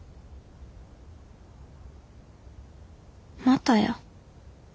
またや。